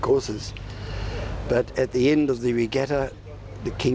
กับพระเจ้าราชิง